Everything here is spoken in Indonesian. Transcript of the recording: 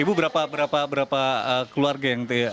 ibu berapa berapa keluarga yang